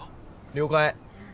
了解。